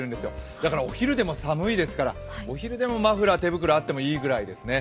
だからお昼でも寒いですからお昼でもマフラー、手袋あってもいいぐらいですね。